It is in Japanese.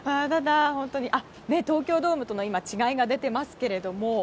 東京ドームとの違いが今、出てますけれども。